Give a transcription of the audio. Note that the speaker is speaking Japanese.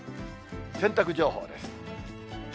洗濯情報です。